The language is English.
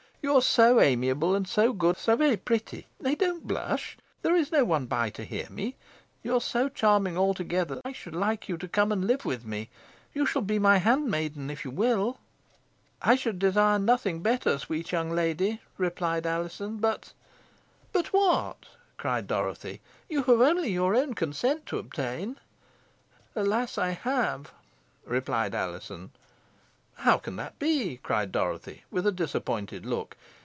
You are so amiable, and so good, and so so very pretty; nay, don't blush there is no one by to hear me you are so charming altogether, that I should like you to come and live with me. You shall be my handmaiden if you will." "I should desire nothing better, sweet young lady," replied Alizon; "but " "But what?" cried Dorothy. "You have only your own consent to obtain." "Alas! I have," replied Alizon. "How can that be!" cried Dorothy, with a disappointed look.